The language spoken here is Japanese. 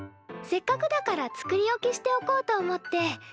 せっかくだから作り置きしておこうと思って。